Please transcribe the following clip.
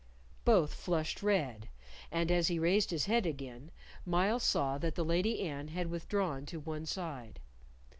Both flushed red, and as he raised his head again, Myles saw that the Lady Anne had withdrawn to one side.